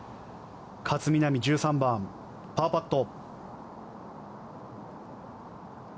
勝みなみ１３番、パーパット。